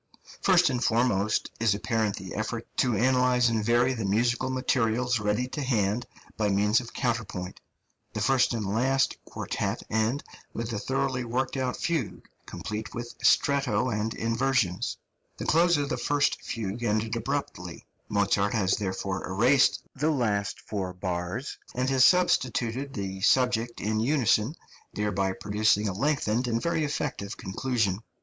First and foremost is apparent the effort to analyse and vary the musical materials ready to hand by means of counterpoint. The first and last quartet end with a thoroughly worked out fugue, complete with stretto and inversions. The close of the first fugue ended abruptly; Mozart has therefore erased the last four bars, and has substituted the subject in unison, thereby producing a lengthened and very effective conclusion.